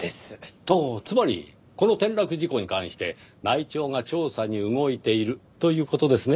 ほうつまりこの転落事故に関して内調が調査に動いているという事ですね？